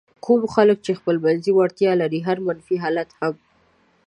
کوم خلک چې خپلمنځي وړتیاوې لري هر منفي حالت هم.